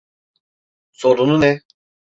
Sorunu ne?